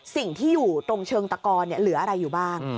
สิ่งที่อยู่ตรงเชิงตะกอนเหลืออะไรอยู่บ้าง